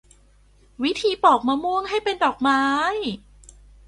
วิธีปอกมะม่วงให้เป็นดอกไม้